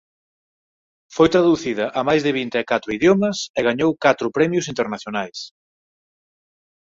Foi traducida a máis de vinte e catro idiomas e gañou catro premios internacionais.